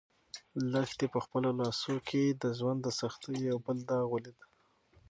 لښتې په خپلو لاسو کې د ژوند د سختیو یو بل داغ ولید.